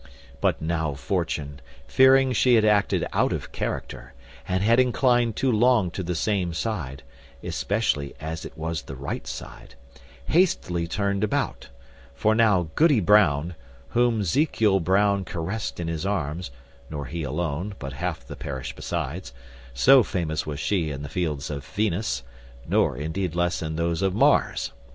But now Fortune, fearing she had acted out of character, and had inclined too long to the same side, especially as it was the right side, hastily turned about: for now Goody Brown whom Zekiel Brown caressed in his arms; nor he alone, but half the parish besides; so famous was she in the fields of Venus, nor indeed less in those of Mars.